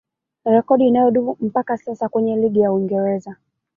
Rekodi inayodumu mpaka sasa kwenye ligi ya Uingereza